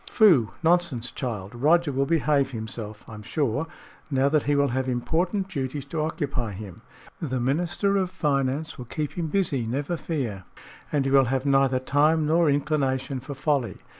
"Phoo! Nonsense, child. Roger will behave himself, I am sure, now that he will have important duties to occupy him. The Minister of Finance will keep him busy, never fear, and he will have neither time nor inclination for folly.